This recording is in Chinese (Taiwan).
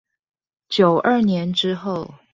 九二年之後